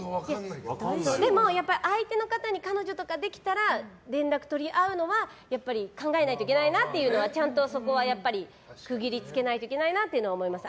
でも、相手の方に彼女とかできたら連絡取り合うのはやっぱり考えないといけないなというのはやっぱり、区切りをつけないといけないなっていうのは思いました。